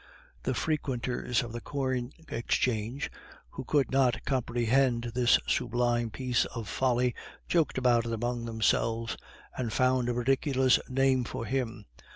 The frequenters of the Corn Exchange, who could not comprehend this sublime piece of folly, joked about it among themselves, and found a ridiculous nickname for him.